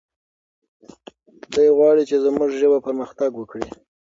دی غواړي چې زموږ ژبه پرمختګ وکړي.